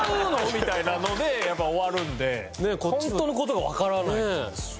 みたいなので終わるんでホントの事がわからないんですよ